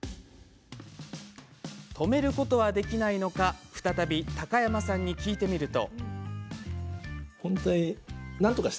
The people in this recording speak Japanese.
止めることはできないのか再び高山さんに聞いてみると。